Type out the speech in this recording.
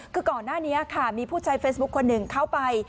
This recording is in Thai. คือก่อนหน้านี้ค่ะมีผู้ใช้เฟซบุ๊คคนหนึ่งเข้าไป